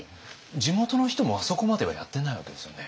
地元の人もあそこまではやってないわけですよね？